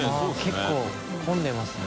結構混んでますね。